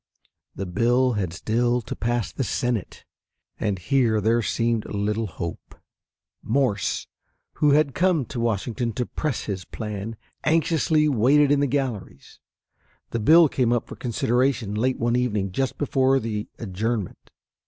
The bill had still to pass the Senate, and here there seemed little hope. Morse, who had come to Washington to press his plan, anxiously waited in the galleries. The bill came up for consideration late one evening just before the adjournment.